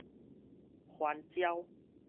翻招